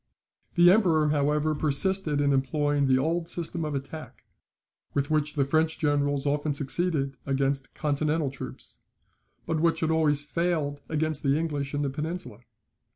The Emperor, however, persisted in employing the old system of attack, with which the French generals often succeeded against continental troops, but which had always failed against the English in the Peninsula.